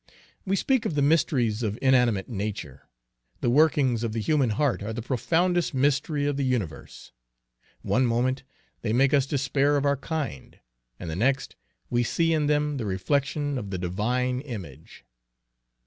We speak of the mysteries of inanimate nature. The workings of the human heart are the profoundest mystery of the universe. One moment they make us despair of our kind, and the next we see in them the reflection of the divine image.